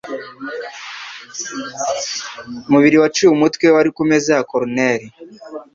Umubiri waciwe umutwe wari kumeza ya coroner.